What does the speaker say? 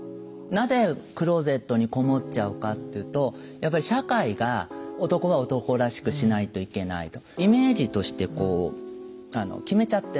なぜクローゼットにこもっちゃうかっていうとやっぱり社会が男は男らしくしないといけないとイメージとしてこう決めちゃってる。